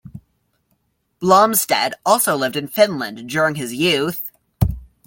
Blomstedt also lived in Finland during his youth.